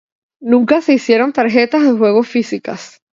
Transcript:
Nunca se hicieron tarjetas de juego físicas.